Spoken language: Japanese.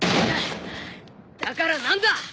だから何だ！